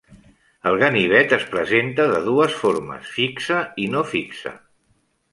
El ganivet es presenta de dues formes, fixe i no fixe.